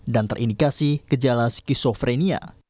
dan terindikasi kejalaan skisofreni